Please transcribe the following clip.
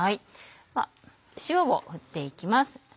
では塩を振っていきます。